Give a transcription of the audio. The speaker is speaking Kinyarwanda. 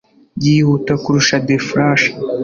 yihuta kurusha the flash